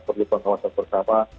penelitian pengawasan pertama